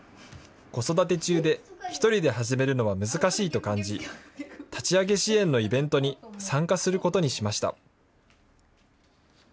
子育て中で１人で始めるのは難しいと感じ、立ち上げ支援のイベントに参加することにしました。